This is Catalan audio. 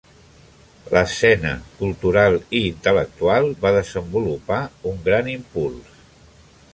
L'escena cultural i intel·lectual va desenvolupar un gran impuls.